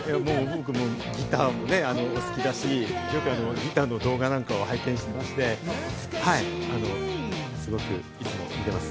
ギターも好きだし、よくギターの動画なんか拝見してまして、すごくいつも見てます。